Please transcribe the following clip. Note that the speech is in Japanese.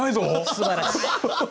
すばらしい。